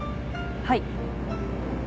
はい。